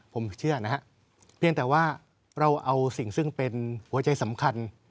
ผมเชื่อนะฮะเพียงแต่ว่าเราเอาสิ่งซึ่งเป็นหัวใจสำคัญ